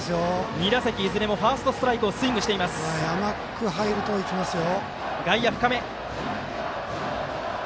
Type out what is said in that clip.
２打席いずれもファーストストライクを甘く入るといきますよ。